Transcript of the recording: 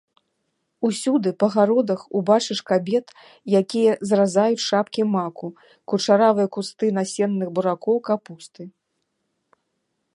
Усюды па гародах убачыш кабет, якія зразаюць шапкі маку, кучаравыя кусты насенных буракоў, капусты.